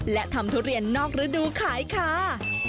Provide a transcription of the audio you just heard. และทำทุเรียนนอกระดูกขายค่ะ